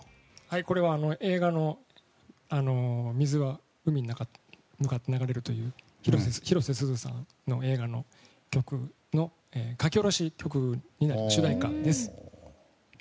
これは映画の「水は海に向かって流れる」という広瀬すずさんの映画の書き下ろしの曲、主題歌です。